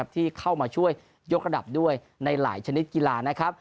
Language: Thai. ที่เข้ามาช่วยยกระดับด้วยในหลายชนิดกีฬานะครับ